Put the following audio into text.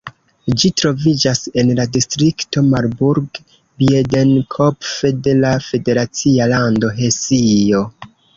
Ĝi troviĝas en la distrikto Marburg-Biedenkopf de la federacia lando Hesio.